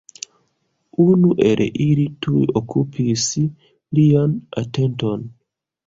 Unu el ili tuj okupis lian atenton.